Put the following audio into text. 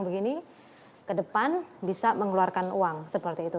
begini ke depan bisa mengeluarkan uang seperti itu